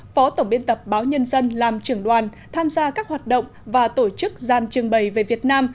phó tổng biên tập báo nhân dân làm trưởng đoàn tham gia các hoạt động và tổ chức gian trưng bày về việt nam